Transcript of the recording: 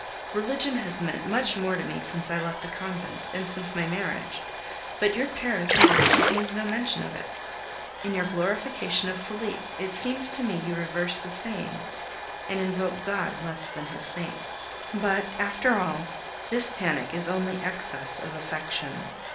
Religion has meant much more to me since I left the convent and since my marriage; but your Paris news contains no mention of it. In your glorification of Felipe it seems to me you reverse the saying, and invoke God less than His saint. But, after all, this panic is only excess of affection.